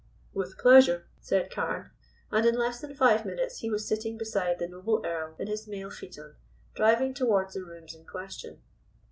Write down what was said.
"With pleasure," said Carne, and in less than five minutes he was sitting beside the noble Earl in his mail phaeton, driving towards the rooms in question.